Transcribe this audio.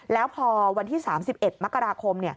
แล้วพอวันที่๓๑มกราคม